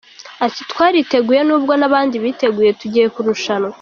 Ati “Twariteguye n’ubwo n’abandi biteguye tugiye kurushanwa.”